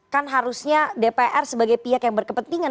kan harusnya dpr sebagai pihak yang berkepentingan